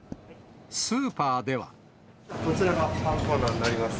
こちらがパンコーナーになります。